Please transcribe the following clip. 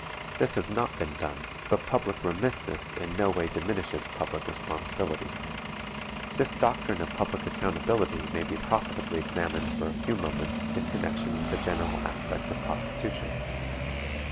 This has not been done; but public remissness in no way diminishes public responsibility. This doctrine of public accountability may be profitably examined for a few moments in connection with the general aspect of prostitution.